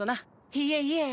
いえいえ。